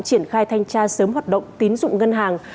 triển khai thanh tra sớm hoạt động tín dụng ngân hàng